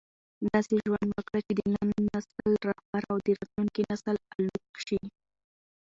داسې ژوند وکړه چې د نن نسل رهبر او د راتلونکي نسل الګو شې.